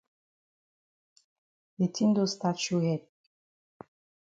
De tin don stat show head.